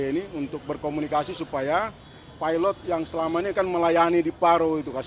kami akan komunikasi dengan berbagai kegetatan yang kita lakukan